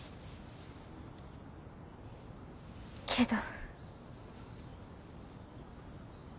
けど。